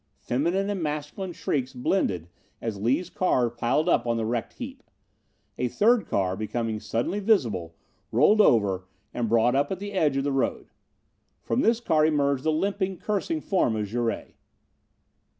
Feminine and masculine shrieks blended as Lees' car piled up on the wrecked heap. A third car, becoming suddenly visible, rolled over and brought up at the edge of the road. From this car emerged the limping, cursing form of Jouret.